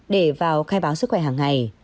để vào khai báo sức khỏe hàng ngày